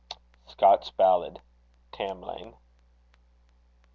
Scotch Ballad: Tamlane.